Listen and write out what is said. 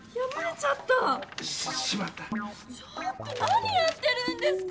ちょっと何やってるんですか！